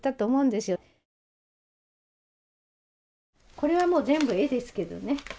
これはもう全部、絵ですけどね。